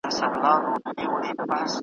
لکه توپان په مخه کړې مرغۍ ,